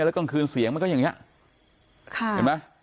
แล้วกลางคืนเสียงมันก็แบบยังไงค่ะ